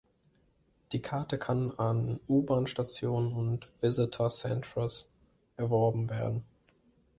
Die Karte kann an U-Bahn Stationen und Visitor Centres erworben werden.